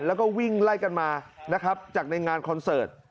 แล้วก็วิ่งไล่กันมานะครับจากในงานคอนเสิร์ต